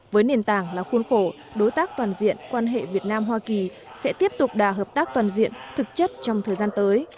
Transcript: với nền tảng là khuôn khổ đối tác toàn diện quan hệ việt nam hoa kỳ sẽ tiếp tục đà hợp tác toàn diện thực chất trong thời gian tới